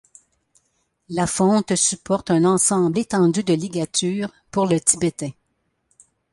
La fonte supporte un ensemble étendu de ligatures pour le tibétain.